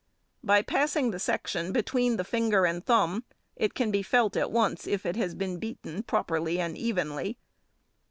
|10| By passing the section between the finger and thumb, it can be felt at once, if it has been beaten properly and evenly.